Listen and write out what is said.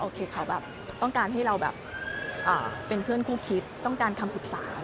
เขาแบบต้องการให้เราแบบเป็นเพื่อนคู่คิดต้องการคำปรึกษา